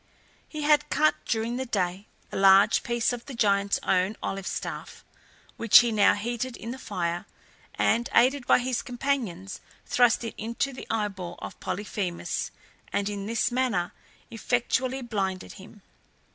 He had cut during the day a large piece of the giant's own olive staff, which he now heated in the fire, and, aided by his companions, thrust it into the eye ball of Polyphemus, and in this manner effectually blinded him.